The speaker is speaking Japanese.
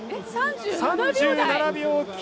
３７秒台！